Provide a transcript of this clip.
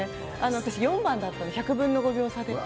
私４番だったの、１００分の５秒差で。